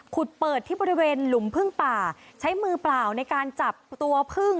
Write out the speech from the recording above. เปิดที่บริเวณหลุมพึ่งป่าใช้มือเปล่าในการจับตัวพึ่ง